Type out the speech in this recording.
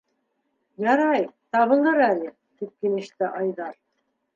- Ярай, табылыр әле, - тип килеште Айҙар.